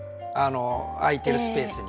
空いてるスペースに。